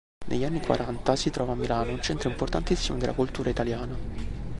Negli anni quaranta si trova a Milano, centro importantissimo della cultura italiana.